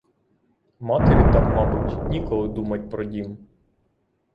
Матері там, мабуть, ніколи думать про дім.